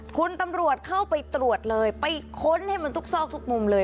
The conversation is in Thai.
คุณตำรวจเข้าไปตรวจเลยไปค้นให้มันทุกซอกทุกมุมเลย